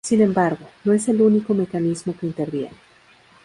Sin embargo, no es el único mecanismo que interviene.